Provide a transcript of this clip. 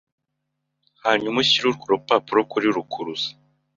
Hanyuma ushyire urwo rupapuro kuri rukuruzi